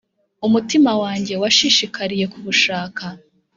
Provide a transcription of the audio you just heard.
Umutima wanjye washishikariye kubushaka,